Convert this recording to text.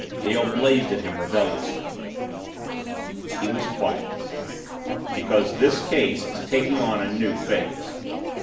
Dale blazed at him rebelliously. He was quiet. "Because this case is taking on a new phase."